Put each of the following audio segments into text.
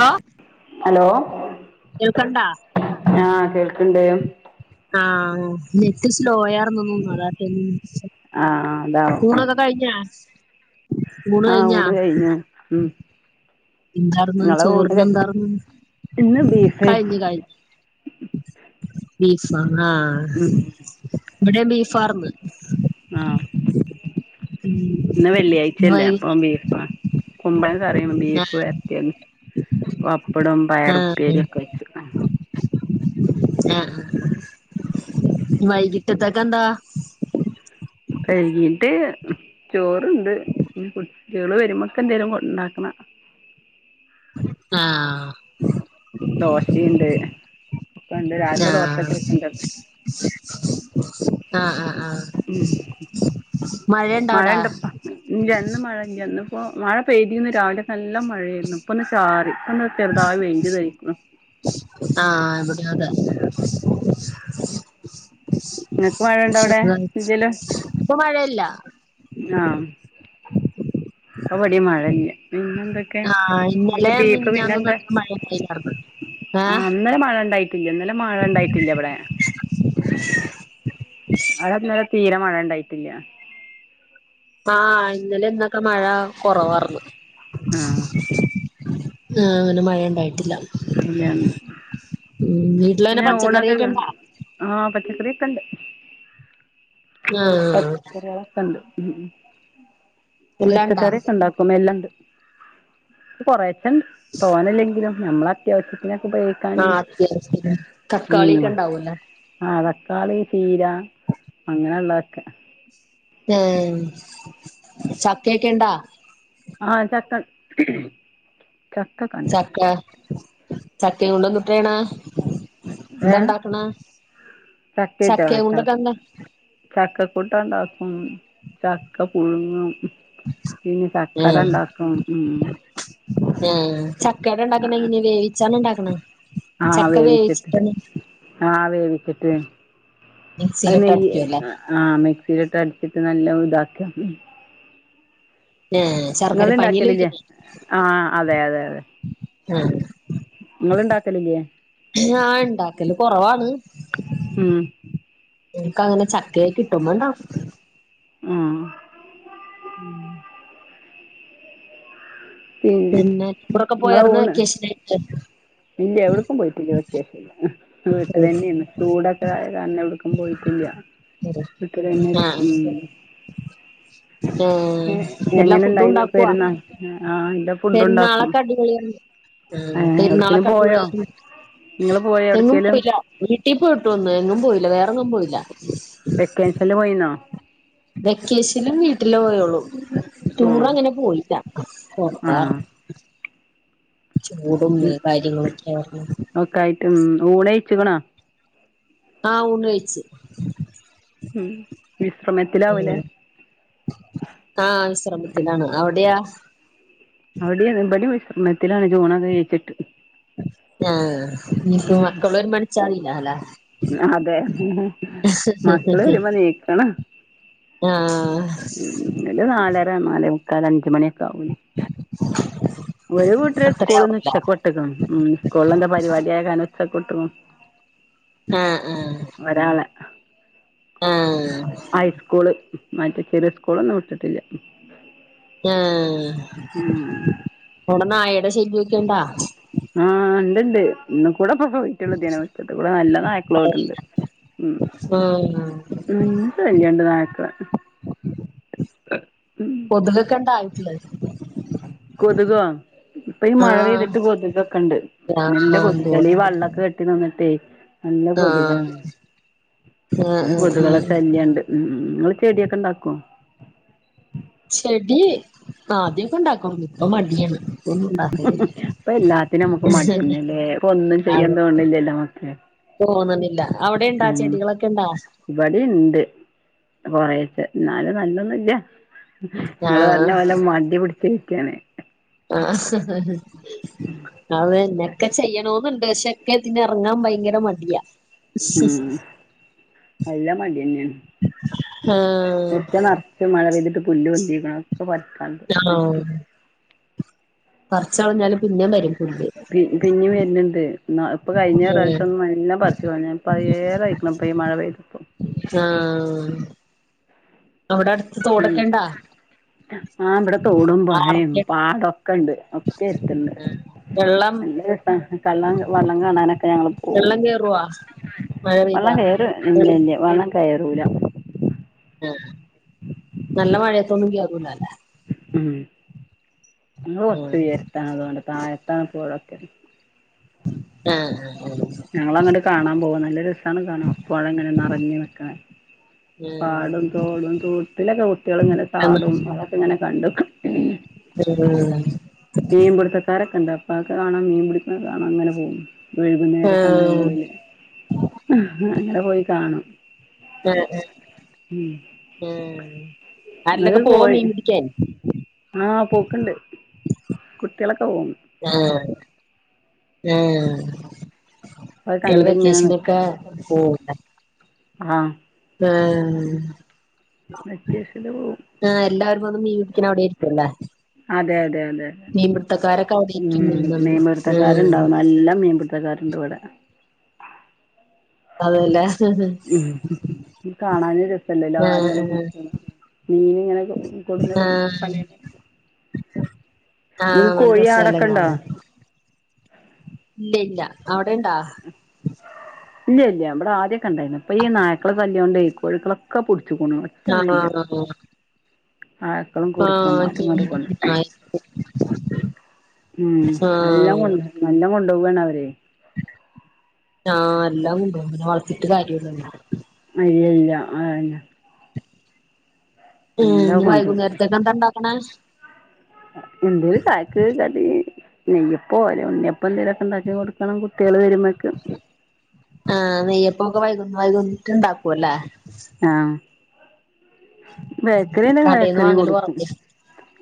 Hello hello കേൾക്കണ്ടാ ആഹ് കേൾക്ക്ണ്ട് ആഹ് നെറ്റ് സ്ലോയാർന്നൊന്നൂ അതാട്ടാ ഞാൻ ആഹ് ഊണോക്ക കഴിഞ്ഞാ ആഹ് ഊണ് കഴിഞ്ഞ് ഉം എന്താർന്ന് നിങ്ങളെ ഊണ് ചോറിന് കഴി എന്താർന്ന് ഇന്ന് ബീഫായിരുന്നു കഴിഞ്ഞ് കഴിഞ്ഞ് ബീഫ ആഹ് ഉം ഇവിടേം ബീഫർന്ന് ആഹ് ഇന്ന് വൈ വെള്ളിയാഴ്ചയല്ലേ അപ്പൊ ബീഫ് വാങ്ങി കുമ്പഴങ്ങ കറിയും ബീഫ് വരത്തിയതും പപ്പടം പയറുപ്പേരി ആഹ് ഒക്കെ വെച്ചു ആഹ് വൈകിട്ടേത്തേക്കെന്താ വൈകിട്ട് ചോറുണ്ട് പിന്നെ കുട്ടികള് വരുമ്പോക്ക്‌ എന്തെലും ഉണ്ടാക്കണം ആഹ് ദോശിണ്ട് ആഹ് ആഹ് ആഹ് ആഹ് ഉം മഴയുണ്ടോ അവിടെ മഴണ്ടപ്പ ഇല്ല ഇന്ന് മഴ ഇല്ല ഇന്ന് ഇപ്പോ മഴ പെയ്തിന്നു രാവിലെ നല്ല മഴയരുന്നു ഇപ്പൊ ഒന്ന് ചാറി ഇപ്പൊ ചെറതായ് വെയിൽ വേയ്ക്ക്‌ണു ആഹ് എവിടേം അതെ ഇങ്ങക്ക് മഴണ്ടോ അവിടെ എന്തേലും ഇപ്പ മഴല്ല ആഹ് ഇപ്പവടിം മഴല്ല പിന്നെന്തെ ക്കെ ആഹ് ഇന്നലെ ഇങ്ങക്ക് ബീഫ് പിന്നെ മിനിഞ്ഞാന്നും എന്താ അധികം മഴ ഉണ്ടായില്ലാർന്ന് ഏഹ് ആഹ് ഇന്നലെ മഴ ഇണ്ടായിട്ടില്ല ഇന്നലെ മഴ ഇണ്ടായിട്ടില്ല ഇവടെ. അവ്ടെ ഇന്നലെ തീരെ മഴണ്ടായിട്ടില്ല. ആഹ് ഇന്നല ഇന്നൊക്കെ മഴ കൊറവാർന്ന്. ആഹ് ആഹ് അങ്ങനെ മഴ ഇണ്ടായിട്ടില്ല. ഇല്ലന്ന് വീട്ടിലങ്ങനെ പിന്നെ പച്ചക്കറിയൊക്കെ ഇണ്ടാ [unintelligible] ആഹ് പച്ചക്കറിഒക്കണ്ട്. ആഹ് പച്ചക്കറികളൊക്കെ ഇണ്ട്. എല്ലാണ്ടാ പച്ചക്കറി ഒക്കെ ഇണ്ടാക്കും എല്ലാംണ്ട് കൊറേച്ചണ്ട്. തോന്നെല്ലെങ്കിലും നമ്മള അത്യാവശ്യത്തിനൊക്കെ ഉപയോഗിക്കാന് ആഹ് അത്യാവശ്യത്തിന് ഉം. തക്കാളിയൊക്കെ ഇണ്ടാവൂല്ലേ ആഹ് തക്കാളി, ചീര അങ്ങനൊള്ളക്കെ. ആഹ് ചക്കെക്കെണ്ടാ? ആഹ് ചക്കണ്ട്. ചക്കക ചക്ക ചക്കെനോണ്ട് എന്തുട്ടെയ്യ്ണ്? ഏ എന്താണ്ടാക്ക്ണെ ചക്കയോണ്ടെക്കന്ത ചക്ക കൂട്ടാൻ ഇണ്ടാക്കും ചക്ക പുഴുങ്ങും. പിന്നെ ചക്കട ആഹ് ഇണ്ടാക്കും ഉം. ആഹ് ചക്കേട ഇണ്ടാക്ക്ണ ഇനി വേവിച്ചാണ്ട് ഇണ്ടാക്ക്ണ ആഹ് വേവിച്ചിട്ട്. ആ വേവിച്ചിട്ട് അത് മിക്സിയിലിട്ട് നെയ്യ് അടിക്കുവല്ലേ ആ മിക്‌സീല്ട്ട് അര്ച്ചിട്ട് നല്ല ഇതാക്ക ആഹ്. ഇങ്ങള്ണ്ടാക്കലില്ലേ ആ അതെ അതെ അതെ. ഇങ്ങള്ണ്ടാക്കലില്ലേ? ഞാൻ ഇണ്ടാക്കല് കൊറവാണ്. ഉം. ഇൻക്കങ്ങനെ ചക്കക്കെ കിട്ടുമ്പോ ണ്ടാക്കും. ഉം. [inaudible] പിന്നെ ടൂറൊക്കെ പോയാർന്നോ വെക്കേഷനായിട്ട്? ഇല്ല്യ എവ്ട്ക്കും പോയിട്ടില്ല വെക്കേഷന് വീട്ടിലന്നെന്ന് ചൂടൊക്ക ആയ കാരണം എവ്ട്ക്കും പോയിട്ടില്ല്യ. വീട്ടിലന്നെ ഇരിക്കും ആഹ് ഉം. ആഹ് ഏഹ് എല്ലാ എങ്ങനെ ഇണ്ടായിര്ന്നു പെര്ന്ന ആഹ് ണ്ട് പെര്ന്നാളൊക്ക അടിപൊളിയാര്ന്ന് ഏഹ് പെര്ന്നാള് എവിടക്കേലും ക്ക പോയോ അടിപൊളിയാര്ന്ന് നിങ്ങള് പോയോ എങ്ങും എവിടക്കേലും പോയില്ല വീട്ടി പോയിട്ട് വന്ന് എങ്ങും പോയില്ല വേറെങ്ങും പോയില്ല വെക്കേഷൻല് പോയിന്നോ? വെക്കേഷനും വീട്ടിലേ പോയൊള്ളൂ ആഹ് ടൂറങ്ങനെ പോയില്ല ആഹ് ചൂടും കാര്യങ്ങളൊക്കായോ ഒക്കായിട്ട് ഉം ഊണഴിച്ച്ക്ക്ണോ? ആ ഊണ് കയ്ച്ച് ഉം വിസ്രമത്തിലാവോല്ലേ? ഉം ആഹ് വിസ്രമത്തിലാണ് അവിട്യാ? അവിടീം ഇബടേം വിസ്രമത്തിലാണ് ജൂണൊക്കെ കയ്ച്ചിട്ട് ആഹ് ഇനിമ്പോ മക്കളര്മ്പോഎൺ ച്ചാലിലാല അതെ മക്കള് വരുമ്പോണീക്കണം. ആഹ്. ഓല് നാലര നാലേമുക്കാൽ അഞ്ചുമണിയൊക്കാവും ഒര് കൂട്ടര് സ്കൂൾന്ന് അത്രയാവൂല ഉച്ചക്ക് വി ട്ട്ക്കും ഉം സ്കൂൾലെന്ത പരിപാട്യായ കാരണം ഉച്ചക്ക് വുട്ടു. ആഹ് ആഹ്. ഒരാളെ. ആഹ് ഹൈസ്കൂള് മറ്റേ ചെറിയ സ്കൂളൊന്നും വിട്ടിട്ടില്ല. ആഹ്. ഉം. അവട നായേടെ ശല്യോക്കെണ്ടാ? ആഹ് ഇണ്ട്ണ്ട് ഇന്നും കൂട പോയി. റ്റുള്ള ദിന മുറ്റത്ത്ക്കൂടെ നല്ല നായ്ക്കളോട്ണ്ട് ഉം. ആഹ് ഉം ശല്യാണ്ട് നായ്ക്കളെ ഉം. കൊതുകക്കണ്ടാ വീട്ട്ല്. കൊതുകോ ഇപ്പ ഈ മഴ ആഹ് പെയ്തിട്ട് കൊതുകൊക്കണ്ട് നല്ല ആഹ് കൊതുശല്യ എന്തോരം ഈ കൊതുകാ. വള്ളക്ക കെ ട്ടി നിന്നിട്ടെ നല്ല ആഹ് കൊതുകാണ് ആഹ് ന്നെ ആഹ് കൊതുകള ആഹ് ശല്യണ്ട്. ഉം ങ്ങള് ചെട്യൊക്ക ണ്ടാക്കോ? ചെടി ആദ്യൊക്കണ്ടാക്കും ഇപ്പ മടിയാണ് ഇപ്പൊന്നുണ്ടാക്ക പ്പ എല്ലാത്തിനും അമുക്ക് മട്യന്നല്ലേ പ്പൊന്നും ചെയ്യാൻ തോന്നണില്ലല്ലോ നമുക്ക്. തോന്ന്ണില്ല അവിടെയിണ്ടാ ചെടികളൊക്കയിണ്ടാ? ഇബടിണ്ട് കൊറേച്ചെ ന്നാലും നല്ലൊന്നുല്ല. ങ്ങള് പർഞ്ഞ ആഹ് പോലെ മടി പിടിച്ചിരിക്കാണ്. ആഹഹഹ. അത്ന്നെക്കെ ചെയ്യണോന്നുണ്ട് ക്ഷെക്കെ ഇതിനെറങ്ങാൻ ഭയങ്കര മടിയാ. ഉം നല്ല മട്യന്നെണ് ആഹ് മുറ്റം നെർ ഞ്ഞ് മഴ പെയ്തിട്ട് പുല്ല് പൊന്തിക്ക്ണ് ക്കെ പർക്കാണ്ട്. പർച്ചൾഞ്ഞാലും പിന്നേം വരും പുല്ല്. പി പിന്നേം വെര്ന്ണ്ട്. ന്നാ ഇപ്പൊ കഴിഞ്ഞ ഉം പ്രാവശ്യം ന്നും എല്ലാം പറിച്ച് കളഞ്ഞയാ പഴയെതായിക്കണം പ്പയി മഴെപെയ്തപ്പം. ആഹ്. അവിടെ അടുത്ത് ഉം തോടൊക്കെ ഇണ്ടാ ആഹ് ബടെ തോടും പൊഴയും ആറൊക്കെ പാടൊക്കണ്ട്. ഒക്കെ എര്ത്ത്ണ്ട് വെള്ളം നല്ല രസ കള്ള വള്ളം കാണാനൊക്കെ ഞങ്ങള്. ഓ വെള്ളം കേറുവോ മഴ വള്ളം പെയ്താ കയറു ഇല്ലല്ല വള്ളം കയറൂല. ആഹ് നല്ല മഴയത്തൊന്നും കേറൂല ലേ. ഉം നമ്മള് ആഹ് കൊർച്ചുയരത്താണ് അതുകൊണ്ട് താഴത്താണ് പൊഴൊക്കെ. ആഹ് ആഹ്. ഞങ്ങളങ്ങട്ട് കാണാ പോവാ നല്ല രസാണ് കാണാം പൊഴങ്ങനെ നറഞ് നിക്കണെ. ആഹ് പാടും തോടും തോട്ടിലൊക്കെ കുട്ട്യള്ങ്ങനെ ആഹ് ചാടും അതൊ ഇങ്ങനെ കണ്ടുക്കു ഉം. ഉം. മീൻ പിടുത്തക്കാരൊക്കെണ്ട് അപ്പൊ അഒക്കെ കാണാം മീൻ പിടിക്ക്ണ കാണാ ങ്ങനെ പോവും. വൈകുന്നേര ആഹ് സമയങ്ങളില് അങ്ങനെ പോയി കാണും. ഏഹ് ഏഹ്. ഉം. ഏഹ് ആരിലൊക്കെ പോവോ കോഴി മീൻ പിടിക്ക്യാൻ. ആഹ് പോക്ക്ണ്ട് കുട്ട്യളൊക്കെ പോവും. ആഹ് ആഹ്. അത് കുട്ട്യേള് കണ്ട് ഇങ്ങനെ വെക്കേഷനൊക്കെ നിക്കാണ് പോവും ലേ. ആഹ്. ഏഹ്. വെക്കെഷൻ പോവും. ആഹ് എല്ലാവാരും വന്ന് മീൻ പിടിക്കിണ അവിടെരിക്കുവല്ലേ. അതെ അതെ അതെ അവിടെ ഉം ഇരിക്കും ഞാൻ പറഞ്ഞു ആഹ് മീൻപിട്ത്തക്കാര്ണ്ടാവും നല്ല മീൻപിടുത്തക്കാർ. ണ്ട് വിടെ അതുവല്ല ഉ കാണാനും രസല്ലല്ലോ ആഹ് ആലുംങ്ങനെ ആഹ് നിക്കനെ മീനിങ്ങനെ കൊടുന്നടും ആഹ് പലേ ആഹ് കോഴി നല്ലരസാല്ലേ ആടൊക്കെണ്ടോ കാണാൻ ഇല്ല ഇല്ല അവിടെണ്ടാ? ഇല്ല ഇല്ല ഇബ്ടെ ആദ്യൊക്കെണ്ടാ ര്ന്നു ഇപ്പൊ ഈ നായ്ക്കളെ ശല്ല്യോ ണ്ട് ഈ കോഴികളൊക്കെ പുടിച്ച്ക്ക്ണു ച്ചൊന്നൂല ആ ആഹ [unintelligible] ഉം നല്ല കൊ നല്ലം കൊണ്ടോവാണ് അവര് ആ എല്ലാം കൊണ്ടോവും പിന്നെ വളർത്തിട്ട് കാര്യല്ലല്ലോ അ ഇല്ല ഇല്ല അതന്നെ മ് എല്ലാം ഇന്ന് കൊണ്ടോവും വൈകുന്നേരത്തേക്കെന്താ ഉണ്ടാക്കണെ ന്തേര് ചായക്ക് കടി നെയ്യപ്പൊ അല്ലെ ഉണ്ണിയപ്പൊ ന്തേലൊക്കെ ഉണ്ടാക്കി കൊടുക്കണം കുട്ടികൾ വരുമ്പോത്തേക്ക് ആഹ് നെയ്യപ്പൊക്കെ വൈകുന്ന വൈകുന്നിട്ട് ണ്ടാക്കുവല്ലേ ആഹ് ബേക്കറിണ്ടെങ്കി കടേന്ന് ബേക്കറി വാങ്ങല് കൊടുക്കും കൊറവേ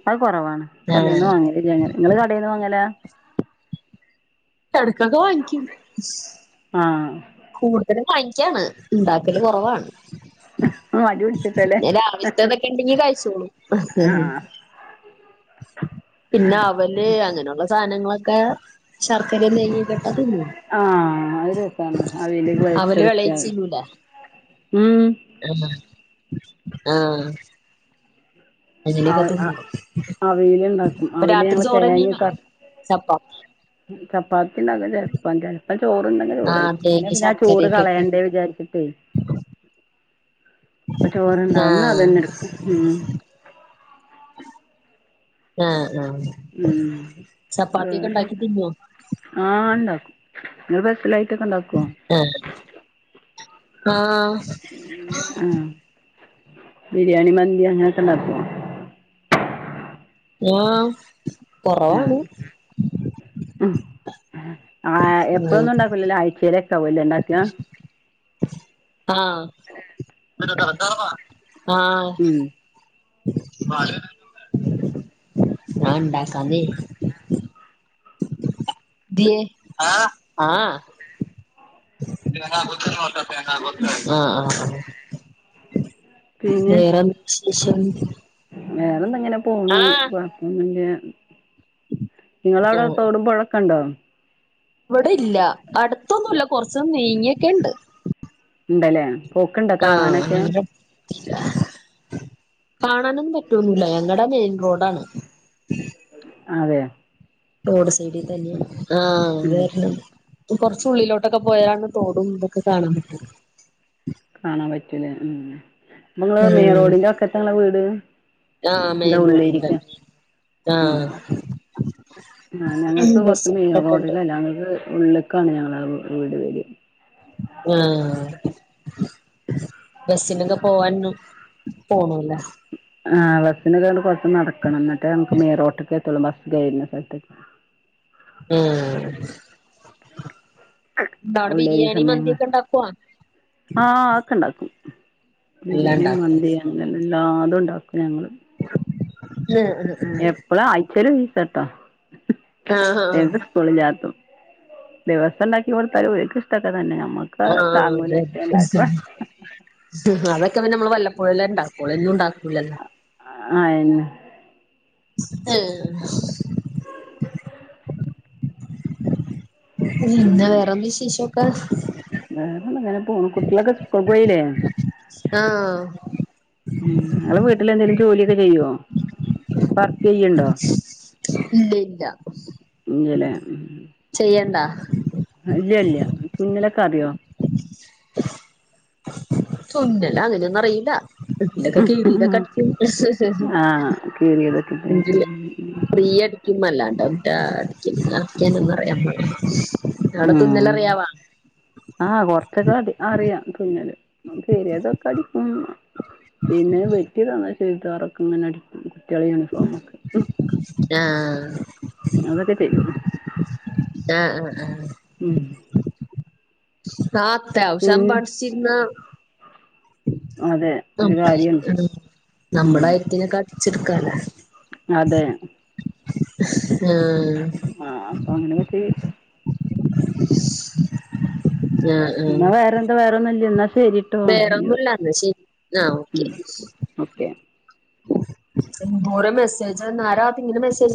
അത് കൊറവാണ് കടേൽന്ന് ആഹ് വാങ്ങലില്ലങ്ങനെ ഇങ്ങള് കടേൽന്ന് വാങ്ങല എടക്കൊക്കെ വാങ്ങിക്കും ആഹ് കൂടുതലും വാങ്ങിക്കാണ് ഇണ്ടാക്കല് കൊറവാണ് മടി പിടിച്ചിട്ടല്ലേ പിന്ന രാവിൽത്തതൊക്കെ ഇണ്ടെങ്കി കഴിച്ചോളും ആഹ് പിന്ന അവല് അങ്ങനൊള്ള സാധനങ്ങളൊക്കെ ശർക്കരേം നെയ്യൊക്കിട്ട തിന്നും ആഹ് അത് രസാണ് അവില് അവല് കൊഴച്ചെടുത്താല് മ് ആഹ ആഹ് അവ അങ്ങനൊക്കെ അ തിന്നും അവിയല്ണ്ടാക്കും ഇപ്പ അവിയല് രാത്രി ഞങ്ങള് ചോറെന്നെയാണാ ചപ്പ ചപ്പാത്തിണ്ടാക്കുവല്ലേ ചോറുണ്ടെങ്കിൽ ചോറ് ആഹ് കഴിക്കും അല്ലേ തേങ്ങേം പിന്നെ ആ ചോറ് ശർക്കരയൊക്കെ ഇട്ട് കളയണ്ടേ വിചാരിച്ചിട്ടെ അ ചോറ് ഉണ്ടാവുന്നാ ആഹ് അതന്നെ എടുക്കും ഉ ആഹ ആഹ ഉ വേറെന്ന തിന്നോ ആഹ് ഉണ്ടാക്കും നി അ സ്സലായിട്ടൊക്കെ ഉണ്ടാക്കുവൊ. ആഹ് ആഹ് ആഹ ബിരിയാണി മന്തി അങ്ങനെ ക്കെ ഉണ്ടാക്കൊ ആഹ് കൊറവാണ് ആഹ് ആഹ് ഉം എപ്പഴൊന്നും ഉണ്ടാക്കൂ ല്ലല്ലോ ആഴ്ച്ചയിലൊക്കെ ഉണ്ടാക്കാ. ആഹ ആഹ ഉം ഞാൻ ഉണ്ടാക്കാന്നെ ആ ആഹ ഉ ഉ ഉ വേറെന്ത് വിശേഷം വേറെന്തിങ്ങനെ പോണു ആഹ് കുഴപ്പമൊന്നുല്ല നിങ്ങളവിടെ ആഹ് തോടും പുഴയൊക്കെ ഉണ്ടൊ ഇവിടെ ഇല്ല അടുത്തൊന്നുല്ല കുറച്ച് നീങ്ങിയൊക്കെണ്ട്. ഉണ്ടല്ലേ പോക്ക്ണ്ടോ ആഹ് കാണാനൊക്കെ. ഞങ്ങടെ കാണാനൊന്നും പറ്റൂന്നുല്ലാ ഞങ്ങടെ മെയിൻ റോഡാണ്. അതെയാ റോഡ് സൈഡിൽ തന്നെയാണ് ആഹ് ഉം വേർണം കൊറച്ച് ഉള്ളിലോട്ടൊക്കെ പോയാരാണ് തോടും ഇതൊക്കെ കാണാൻ പറ്റു. കാണാൻ പറ്റൂലേ ഉം നിങ്ങള് മേ ആഹ് റോഡിന്റെ ഒക്കത്തിങ്ങളെ വീട്. ആഹ് അത് മെയിൻ റോഡിന്റെ ഉള്ളേരിക്ക ഉം. ആഹ് ആഹ് ഉം ഞങ്ങക്ക് കൊറച്ച് മെയിൻ ബുദ്ധിമുട്ടൊക്കെ ഉണ്ട് റോഡിലല്ല ഞങ്ങൾക്ക് ഉള്ളേക്കാണ് ഞങ്ങള വീട് വേര ആഹ്. ബസിനൊക്കെ പോവാൻ പോണോ ലേ. ആഹ് ബസിന് ഒരു അങ്ങട് കൊറച്ച് നടക്കണം എന്നിട്ട് നമക്ക് മെയിൻറോട്ടൊക്കെ എത്തുള്ളൂ ബസ് കയറുന്ന സ്ഥലത്ത്ക്ക്. ഉം എന്താ അവിടെ ഉള്ളേരിയ ബിരിയാണി സമയങ്ങൾ മന്തിക്കെ ഉണ്ടാക്ക്വ. ആഹ് അതൊക്കെ ഉണ്ടാക്കും എല്ലാം ബിരിയാണി ഉണ്ടാക്കും മന്തി അങ്ങനെ എല്ലാതും ഉണ്ടാക്കും ഞങ്ങൾ. ഏഹ് ആഹ് ആഹ്. ഇപ്പളും ആഴ്ച്ചേല് ഇണ്ട് ട്ടോ. ആഹ് ആഹ് ആഹ് സ്കൂളില്ലാത്തും ദിവസം ഉണ്ടാക്കി കൊടുത്താലും ഓല്ക്ക് ഇഷ്ടൊക്കെ തന്നെ നമ്മക്ക്. ആഹ് താങ്ങൂല അതെ. എപ്പഴും ഉണ്ടാക്കാൻ അതൊക്കെ പിന്നെ നമ്മള് വല്ലപ്പോഴും അല്ലെ ഇണ്ടാക്കളു എന്നും ഉണ്ടാക്കൂലല്ലോ. അയന്നെ ഏഹ്. പിന്നെ അങ്ങനെ വേറെന്ത് വിശേഷം ഒക്കെ. വേറെന്താ ഇങ്ങനെ പോകുണ് കുട്ടികളൊക്കെ സ്കൂളുക്ക് പോയില്ലേ. ആഹ്. ഇങ്ങൾ വീട്ടിൽ എന്തെേലും ജോലിയൊക്കെ ചെയ്യോ വർക്ക് ചെയ്യണ്ടോ. ഇല്ല ഇല്ല. ഇല്ലലെ. ചെയ്യണ്ടാ. ഇല്ല്യ ഇല്ല്യ തുന്നലൊക്കെ അറിയോ? ഉണ്ട് തുന്നല് അങ്ങനൊന്നും അറിയില്ല. വീട്ടിലെ കീറിയത് ഒക്കെ അടിക്കും. ആഹ് കീറിയതൊക്കെ അല്ലെ ക്കിം മല്ലാണ്ട ഒറ്റ അടിക്കാൻ അടിക്കാൻ ഒന്നും അറിയാ ആട തുന്നല് ഉം അറിയാവാ. ആഹ് കൊറച്ചൊക്കെ അടി അറിയാം തുന്നല് കീറിയതൊക്കെ അടിക്കും. പിന്നെ വെട്ടി തന്നാ ചുരിതാറൊക്കെ ഇങ്ങനെ അടി കുട്ടികളെ യൂണിഫോം ഒക്കെ ആഹ് അതൊക്കെ തെരും. ആഹ് ആഹ് ആഹ്. ഉം. ആ അത്യാവശ്യം പിന്നെ പഠിച്ചിരുന്ന അതെ. തും ഒരു കാര്യാണ് ഉം നമ്മുടെ ഉം അയത്തിനെ കടിച്ചെടുക്കാലേ. അതെ. ആഹ്. ആഹ് അപ്പൊ അങ്ങനെ മതി. ഞാ. ഇന്നാ വേറെ എന്താ വേറെ ഒന്നുല്ല എന്നാ ശരി. വേറെന്നുല്ല എന്ന ശരി ആഹ് ഓക്കെ. ഉം ഓക്കെ എന്തോരം മെസ്സേജ് നേര ആത്തിങ്ങനെ മെസ്സേജ്